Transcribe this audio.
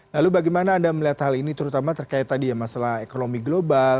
lalu bagaimana anda melihat hal ini terutama terkait tadi ya masalah ekonomi global